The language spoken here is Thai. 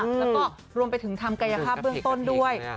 แล้วก็รวมไปถึงทำกายภาพเบื้องต้นด้วย